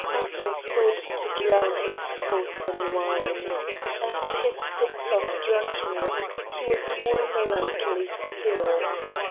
Matho sought to drown his thoughts in wine. After his fits of drunkenness he was more melancholy still.